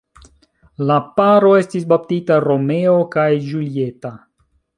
La paro estis baptita Romeo kaj Julieta.